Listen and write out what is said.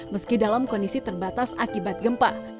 meski dalam kondisi terbatas akibat gempa